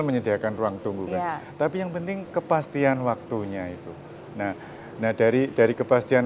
menyediakan ruang tunggu kan tapi yang penting kepastian waktunya itu nah dari dari kepastian